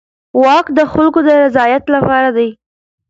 واک د خلکو د رضایت لپاره دی.